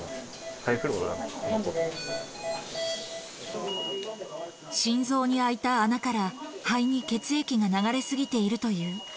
ハイフローダ、心臓に開いた穴から肺に血液が流れ過ぎているという。